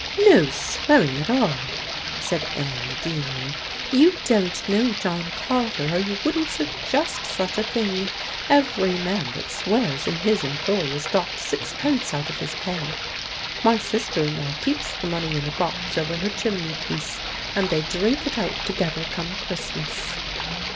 "No swearing at all," said Ann Geen. "You don't know John Carter, or you wouldn' suggest such a thing. Every man that swears in his employ is docked sixpence out of his pay. My sister in law keeps the money in a box over her chimney piece, and they drink it out together come Christmas."